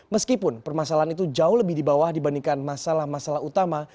meskipun permasalahan itu jauh lebih di bawah dibandingkan masalah masalah utama